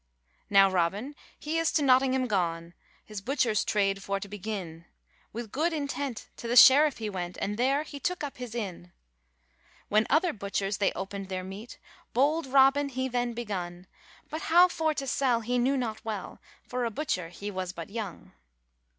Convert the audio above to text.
Now Robin he is to Notingham gone, His butcher's trade for to begin; With good intent, to the sheriff he went, And there he took up his inn. When other butchers they opened their meat, Bold Robin he then begun; But how for to sell he knew not well, For a butcher he was but young.